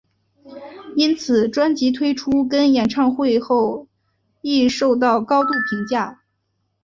因此专辑推出跟演唱会后亦受到高度评价。